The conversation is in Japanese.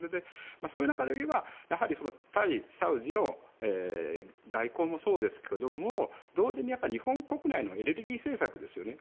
そういう中でいえば対サウジの外交もそうですけども同時に、日本国内のエネルギー政策ですよね。